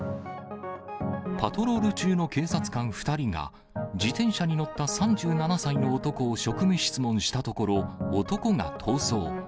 パトロール中の警察官２人が、自転車に乗った３７歳の男を職務質問したところ、男が逃走。